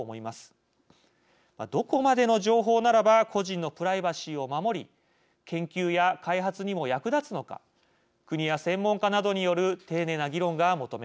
どこまでの情報ならば個人のプライバシーを守り研究や開発にも役立つのか国や専門家などによる丁寧な議論が求められます。